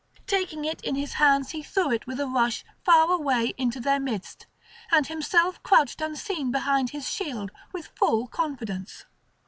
Taking it in his hands he threw it with a rush far away into their midst; and himself crouched unseen behind his shield, with full confidence.